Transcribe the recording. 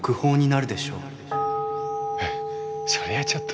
えっそれはちょっと。